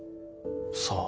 さあ。